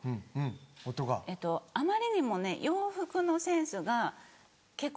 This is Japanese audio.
えっとあまりにもね洋服のセンスが結婚